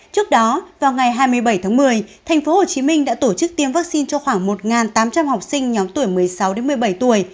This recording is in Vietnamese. trước đó vào ngày hai mươi bảy tháng một mươi tp hcm đã tổ chức tiêm vaccine cho khoảng một tám trăm linh học sinh nhóm tuổi một mươi sáu một mươi bảy tuổi